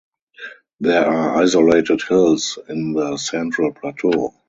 There are isolated hills in the central plateau.